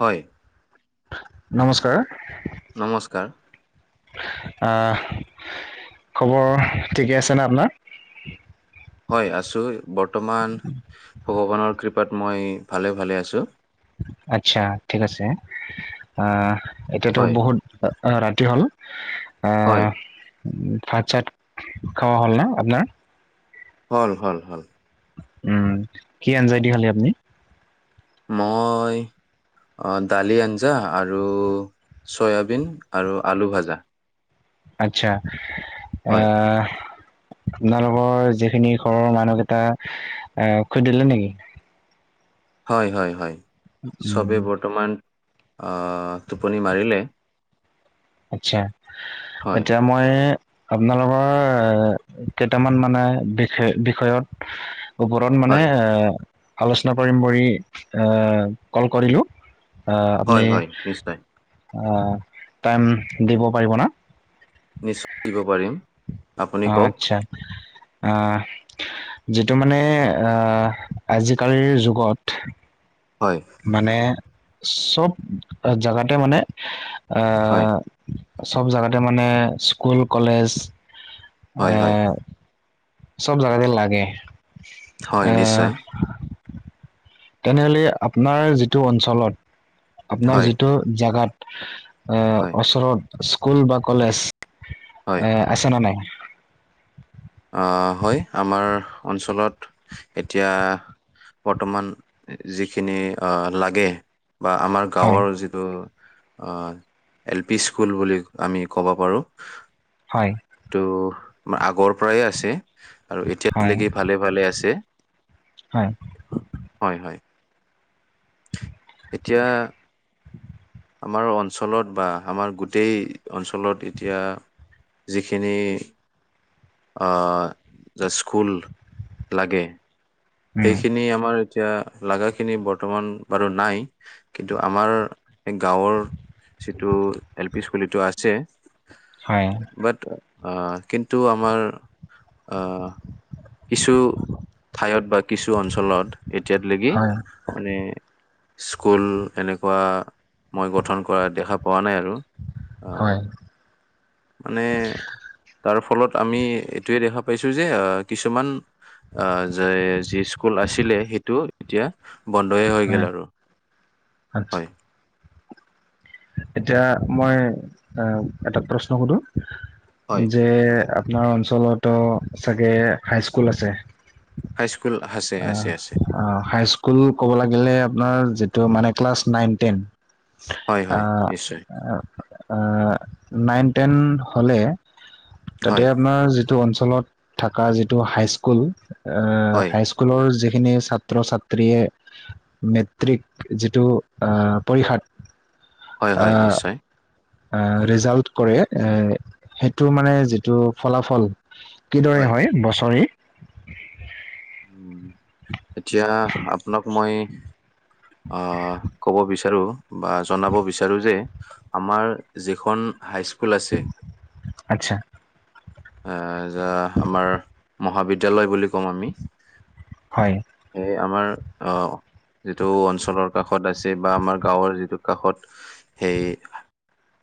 হয়। নমস্কাৰ, নমস্কাৰ। অহ। খবৰ ঠিকে আছে নে আপোনাৰ? হয় আছোঁ, বৰ্তমান ভগৱানৰ কৃপাত মই ভালে ভালে আছোঁ। আচ্ছা, ঠিক আছে, অ', এতিয়াতো হয়, বহুত অ', ৰাতি হ'ল হয়, অ'। উম, ভাত চাত খাৱা হ'ল ন' আপোনাৰ? হ'ল, হ'ল, হ'ল। উম, কি আঞ্জাই দি খালি আপনি? মই অ', দালি, আঞ্জা আৰু চয়াবিন আৰু আলুভাজা। আচ্ছা, এ আপোনালোকৰ যিখিনি ঘৰৰ মানুহকেইটা আ, শুই দিলে নেকি? হয়, হয়, হয়, উম চবে বৰ্তমান অ', টোপনি মাৰিলে। আতছা হয়, এতিয়া মই আপোনালোকৰ কেইটামান মানে বিষয় বিষয়ত ওপৰত মানে হয়, এ আলোচনা কৰিম বুলি এ কল কৰিলোঁ। আপুনি হয়, হয়, নিশ্চয়। টাইম দিব পাৰিব না। নিশ্চয় দিব পাৰিম আপুনি কওক। আচ্ছা যিটো মানে আজিকালিৰ যুগত হয়, মানে চ'ব জেগাতে মানে হয়, আহ চ'ব জাগাতে মানে স্কুল কলেজ হয়, হয়, আহ চব জাগাতে লাগে। হয়, আহ নিশ্চয়। তেনেহ'লে আপোনাৰ যিটো অঞ্চলত। আপোনাৰ হয়, যিটো জোগাত। এ হয়, ওচৰত স্কুল বা কলেজ। হয়। এ আছে ন নাই। আহ হয়। আমাৰ অঞ্চলত এতিয়া বৰ্তমান যিখিনি আহ লাগে, বা আমাৰ হয় গাঁৱৰ যিটো, আহ এল পি স্কুল বুলি আমি ক'ব পাৰো। হয় ত আগৰ পৰাই আছে। আৰু এতিয়াত হয় লকি ভালে ভালে আছে। হয়। হয়, হয়। এতিয়া আমাৰ অঞ্চলত বা আমাৰ গোটেই অঞ্চলত এতিয়া। যিখিনি আহ যে স্কুল লাগে, উম সেইখিনি আমাৰ এতিয়া লগাগাখিনি বৰ্তমান বাৰু নাই। কিন্তু আমাৰ সেই গাঁৱৰ সিটো এল পি স্কুলটো আছে। হয় বাট, আহ কিন্তু, আমাৰ আহ কিছু ঠাইত বা কিছু অঞ্চলত এতিয়াল লৈকি হয় মানে স্কুল এনেকুৱা মই গঠন কৰা দেখা পোৱা নাই, আৰু আহ হয়। মানে তাৰ ফলত। আমি এইটোয়ে দেখা পাইছো যে। কিছুমান যে যি স্কুল আছিলে সেইটো এতিয়া। বন্ধয়ে হৈ হয় গ'ল আৰু আচ্ছা হয়। এতিয়া মই এটা প্ৰশ্ন সুধো হয় যে। আপোনাৰ অঞ্চলতো চাগে হাইস্কুল আছে। হাইস্কুল আছে অ, আছে আছে অ, হাই স্কুল ক'ব লাগিলে আপোনাৰ যিটো মানে ক্লাছ নাইন ন ট্ৰেন। হয় হয় আহ নিশ্চয় আহ। নাইন টেন হ'লে তাতে হয় আপোনাৰ যিটো। অঞ্চলত থকা যিটো হাইস্কুল হয় হাই্ যিখিনি ছাত্ৰ ছাত্ৰীয়ে মেট্ৰিক যিটো পৰীক্ষাত। হয়, হয়। আহ নিশ্চয়, ৰিজাল্ট কৰে, এ সেইটো মানে যিটো ফলাফল কিদৰে হয় বছৰি। উ এতিয়া আপোনাক মই। অ ক'ব বিচাৰো। বিচাৰো বা জনাব বিচাৰো যে আমাৰ যিখন। হাইস্কুল আছে। আচ্ছা এ যাৰ আমাৰ মহাবিদ্যালয় বুলি কওঁ আমি। হয় এই আমাৰ অ। যিটো অঞ্চলৰ কাষত আছে বা আমাৰ গাঁৱৰ যিটো কাষত সেই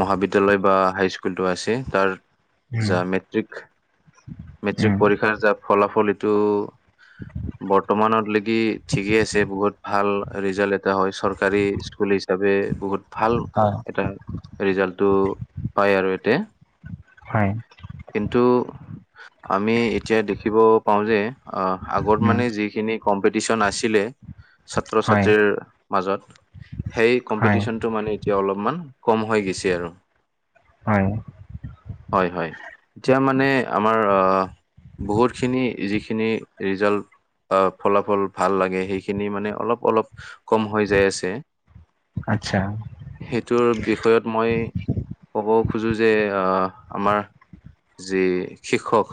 মহাবিদ্যালয় বা হাইস্কুলটো আছে তাৰ উম যা মেট্ৰিক মেট্ৰিক উম পৰীক্ষাৰ যা ফলাফল এইটো বৰ্তমানত লেকি ঠিকেই আছে বহুত ভাল। ৰিজাল্ট এটা হয় চৰকাৰী স্কুল হিচাপে। বহুত ভাল হয় এটা ৰিজাল্টো পায় আৰু ইয়াতে। হয় কিন্তু। আমি এতিয়া দেখিব পাওঁ যে অ আগত উম মানে যিখিনি কম্পিটিচন আছিলে ছাত্ৰ হয় ছাত্ৰীৰ মাজত। সেই হয় কম্পিটিচন টো মানে এতিয়া অলপমান কম হৈ গৈছে আৰু। হয়। হয় হয় এতিয়া মানে আমাৰ [inaudible] আহ [unintelligible] বহুতখিনি যিখিনি ৰিজাল্ট অ ফলাফল ভাল লাগে সেইখিনি মানে অলপ অলপ কম হৈ যাই আছে। আতছা। সেইটোৰ বিষয়ত মই ক'ব খোজো যে অ আমাৰ যি শিক্ষক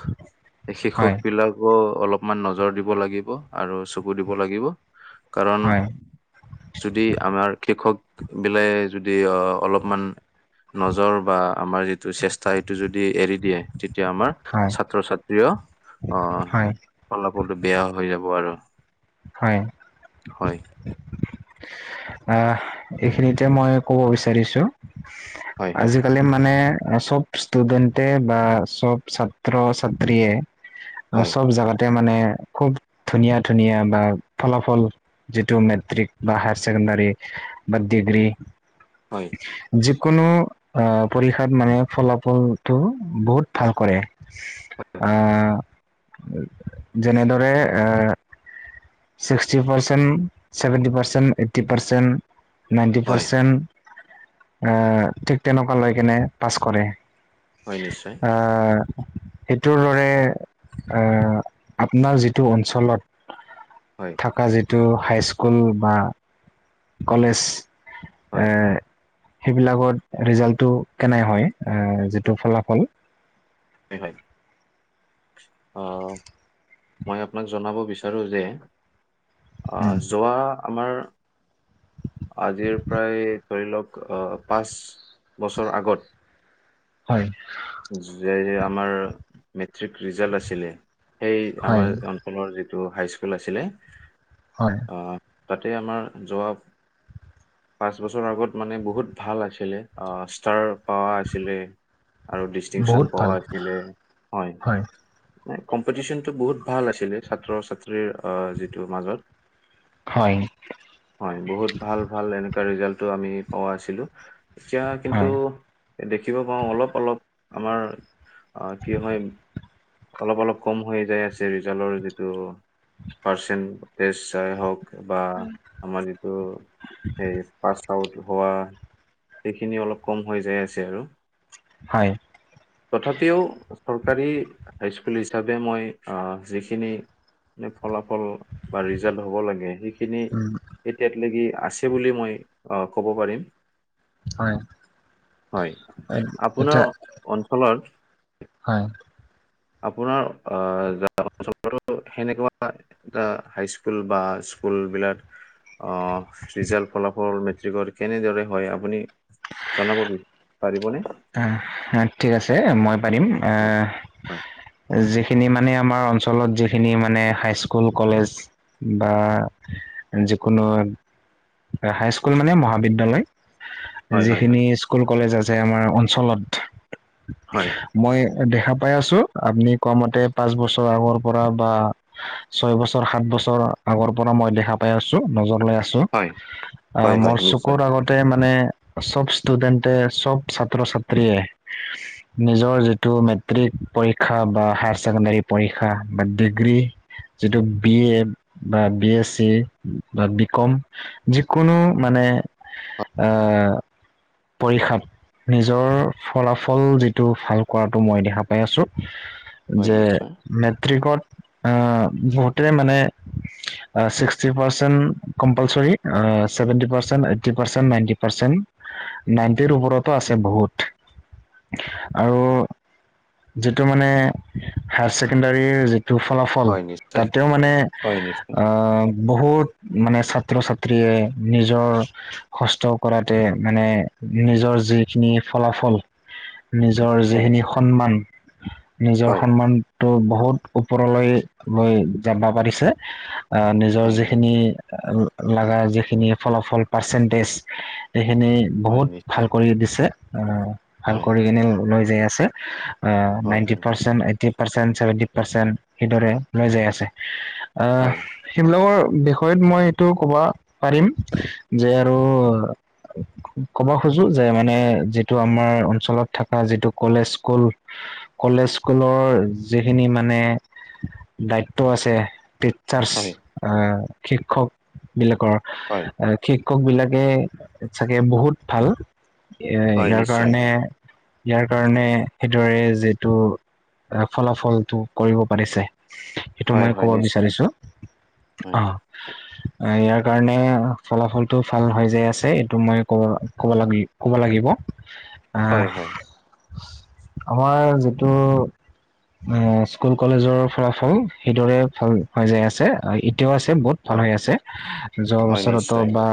এই হয় শিক্ষক বিলাকো অলপ মান নজৰ দিব লাগিব আৰু চকু দিব লাগিব। কাৰণ হয় যদি আমাৰ শিক্ষক বিলাক যদি অ অলপমান নজৰ বা আমাৰ যিটো চেষ্টা সেইটো যদি এৰি দিয়ে তেতিয়া আমাৰ হয় ছাত্ৰ ছাত্ৰীও অ হয় ফলাফলটো বেয়া হৈ যাব আৰু। হয়। হয় অ এইখিনিতে মই কব বিচাৰিছো। হয় হয় আজিকালি মানে চব ষ্টুডেণ্টে বা সব ছাত্ৰ ছাত্ৰীয়ে অ হয় চব জাগাতে মানে খুব ধুনীয়া ধুনীয়া বা ফলাফল যিটো মেট্ৰিক বা হায়াৰ চেকেণ্ডাৰী বা ডিগ্ৰী হয় কোনো অ পৰীক্ষাত মানে ফলাফলটো বহুত ভাল কৰে আ যেনেদৰে এ sixty percent seventy percent eighty percent ninety হয় পাৰ্চেণ্ট এ ঠিক তেনেকুৱা লৈ কেনে পাছ কৰে হয় নিশ্চয় আ সেইটোৰ দৰে আ আপোনাৰ যিটো অঞ্চলত হয় থাকা যিটো হাইস্কুল বা কলেজ এ হয় সেইবিলাকত ৰিজাল্টো কেনে হয় এ যিটো ফলাফল হয় হয় অ মই আপোনাক জনাব বিচাৰো যে অ উম। যোৱা আমাৰ [inaudible] আজিৰ প্ৰায় ধৰি লওক অ পাঁচ বছৰ আগত হয়, যে আমাৰ মেট্ৰিক ৰিজাল্ট আছিলে। সেই হয় আমাৰ অঞ্চলৰ যিটো হাইস্কুল আছিলে হয়, আহ, তাতে আমাৰ যোৱা পাঁচ বছৰ আগত মানে বহুত ভাল আছিলে আহ ষ্টাৰ পাৱা আছিলে। আৰু ডিষ্টিংচন বহুত পোৱা ভাল আছিলে হয়। কম্পিটিচন টো বহুত ভাল আছিলে ছাত্ৰ, ছাত্ৰীৰ যিটো মাজত হয় হয় বহুত ভাল- ভাল এনেকুৱা ৰিজাল্টো আমি পোৱা আছিলো। এতিয়া কিন্তু হয় দেখিব পাও অলপ - অলপ আমাৰ কি হয় অলপ অলপ কম হৈ যাই আছে ৰিজাল্টৰ যিটো পৰ্চেন্ত তেজ চাই হওক বা আমাৰ যিটো সেই পাচ হোৱা সেইখিনি অলপ কম হৈ যাই আছে আৰু হয়। তথাপিও চৰকাৰী হাইস্কুল হিচাপে মই যিখিনি মে ফলাফল হল বা ৰিজাল্ট হব লাগে সেইখিন উম তেটিয়াক লেকি আছে বুলি মই ক'ব পাৰিম। হয় হয় আপোনাৰ এতিয়া অঞ্চলৰ হয়, আপোনাৰ গ অঞ্চলতো সেনেকুৱা এটা হাইস্কুল বা স্কুল বিলাক আহ ৰিজালট ফলাফল মেট্ৰিকৰ কেনেদৰে হয় আপুনি জনাব পাৰিবনে? অ, ঠিক আছে মই পাৰিম হয় যি খিনি মানে আমাৰ অঞ্চলত যিখিনি মানে হাইস্কুল কলেজ বা যিকোনো হাইস্কুল মানে মহাবিদ্যালয় হয় হয় হয় যিখিনি স্কুল কলেজ আছে আমাৰ অঞ্চলত হয় মই দেখা পাই আছো আপুনি কোৱা মতে পাচ বছৰ আগৰ পৰা বা, ছয় বছৰ সাত বছৰ শৈ বছৰ আগৰ পৰা মই দেখা পাই আছো নজ লৈ আছো হয় আহ হয় হয় হয় মৰ নিশ্চয় চকুৰ আগতে মানে চব ষ্টুডেণ্টে চব ছাত্ৰ ছাত্ৰ্ৰীয়ে নিজৰ যিটো মেট্ৰিক পৰীক্ষা বা হায়াৰ ছেকেণ্ডাৰী পৰীক্ষা বা ডিগ্ৰী যিটো বি এ বা বি এ চি বা বি কম যিকোনো মানে আহ পৰীক্ষাত নিজৰ ফলাফল যিটো ভাল কৰাটো মই দেখা পাই আছো। হয় যে নিশ্চয় মেট্ৰিকত আহ বহুতে মানে sixty percent compulsory seventy percent, ninety percent নাইনটিৰ ওপৰতো আছে বহুত। আৰু যিটো মানে হায়াৰ ছেকেণ্ডাৰৰি যিটো ফলাফল হয় নিশ্চয় তাতেও মানে হয় নিশ্চয় অ, বহুত মানে ছাত্ৰ, ছাত্ৰী নিজৰ কষ্ট কৰাতে মানে নিজৰ যিখিনি ফলাফল নিজৰ হয় যিখিনি খম্মন নিজৰ হয় সন্মানটো বহুত ওপৰলৈ লৈ যাব পাৰিছে, আহ নিজৰ হয় হয় যিখিনি লগা যিখিনি ফলাফল পাৰ্চন্টজ সেইখিনি হয় বহুত ভাল নিশ্চয় অ, ভাল হয় কৰি কিনে ওলাই যায় আছে হয় নাইনটি হয় percent eighty percent seventy percent সেইদৰে লৈ যাই আছে হয় সেইবিলাকৰ বিষয়ত মই এইটো ক'ব পাৰিম যে আৰু ক'ব খোজো যিটো মানে আমাৰ অঞ্চলত থাকা যিটো কলেজ স্কুল - কলেজ স্কুলত যিখিনি মানে দায়িত্ব আছে। চাৰ্চ হয় শিক্ষক বিলাকৰ হয় শিক্ষক বিলাকে চাগে বহুত ভাল। এ হয় ইয়াৰ নিশ্চয় কাৰণে ইয়াৰ কাৰণে সেইদৰে যিটো ফলাফলটো কৰিব পাৰিছে। সেইটো হয় মই হয় কব নিশ্চয় বিচাৰিছো আহ অ ইয়াৰ কাৰণে ফলাফলটো ভাল হৈ যাই আছে এইটো মই ক'ব ক'ব লাগি ক'ব লাগিব আহ হয় হয় হয় আমাৰ যিটো অ স্কুল কলেজৰ ফলাফল সেইদৰে ভাল হৈ যাই আছে এতিয়াও আছে বহুত ভাল হয় হৈ আছে যোৱা হয় বছৰটো নিশ্চয় বা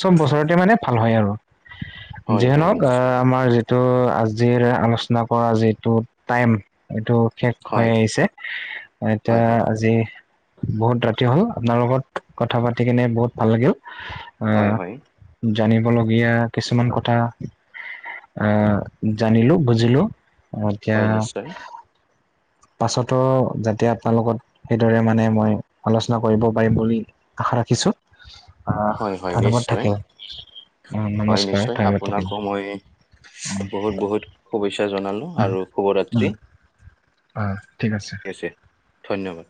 চব বছৰতে মানে ভাল হয় আৰু হয় হয় যিজনক আহ নিশ্চয় আমাৰ টো আজিৰ আলোচনা কৰা যিটো টাইম এইটো শেষ হয় হৈ আহিছে এতিয়া হয় হয় আজি বহুত ৰাতি হ'ল আপনাৰ লগত কথা পাতি কেনে বহুত ভাল লাগিল হয় আহ হয় জানিবলগীয়া কিছুমান কথা আহ জানিলো বুজিলোঁ এতিয়া হয় নিশ্চয় পাছতো যাতে আপোনালোকত সেইদৰে মানে মই আলোচনা কৰিব পাৰিম বুলি আশা ৰাখিছোঁ হয় হয় ধন্যবাদ নিশ্চয় থাকে অ হয় নমস্কাৰ নিশ্চয় [unintelligible] থাকিম আপোনাকো মই বহুত বহুত শুভেচ্ছা জনালোঁ আৰু শুভৰাত্ৰি অ' ঠিক আছে ধন্যবাদ